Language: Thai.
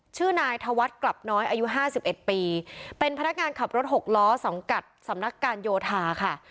ชื่อนายธวัฒน์กลับน้อยอายุห้าสิบเอ็ดปีเป็นพนักงานขับรถหกล้อสังกัดสำนักการโยธาค่ะ